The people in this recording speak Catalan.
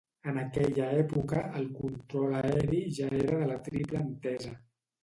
En aquella època, el control aeri ja era de la Triple Entesa.